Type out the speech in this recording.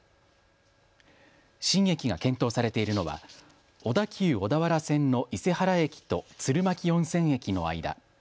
新駅が検討されているのは小田急小田原線の伊勢原駅と鶴巻温泉駅の間。